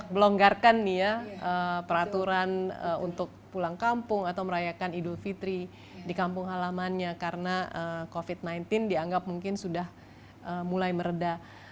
melonggarkan nih ya peraturan untuk pulang kampung atau merayakan idul fitri di kampung halamannya karena covid sembilan belas dianggap mungkin sudah mulai meredah